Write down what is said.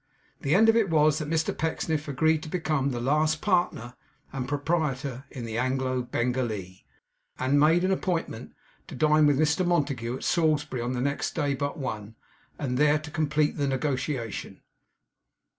The end of it was, that Mr Pecksniff agreed to become the last partner and proprietor in the Anglo Bengalee, and made an appointment to dine with Mr Montague, at Salisbury, on the next day but one, then and there to complete the negotiation.